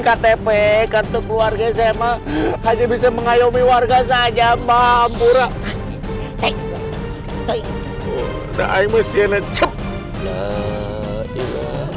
ktp kartu keluarga sma hanya bisa mengajomi warga saja mampura dai dai myzion connector